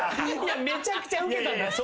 めちゃくちゃウケたんだって。